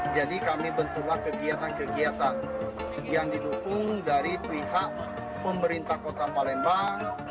jadi kami bentuklah kegiatan kegiatan yang didukung dari pihak pemerintah kota palembang